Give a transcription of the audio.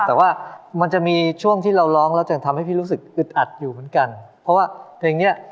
และตอนนี้ฉันรู้ว่ารักคือความห่วงใหญ่